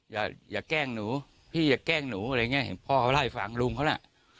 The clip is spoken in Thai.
อย่าอย่าแกล้งหนูพี่อยากแกล้งหนูอะไรอย่างเงี้ยเห็นพ่อเขาได้ฝากลุงเขาล่ะ